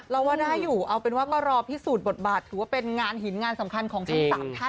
เราว่าได้อยู่เอาเป็นว่าก็รอพี่สูตรบทบาทถือว่าเป็นงานหินงานสำคัญของชั้นศัพท์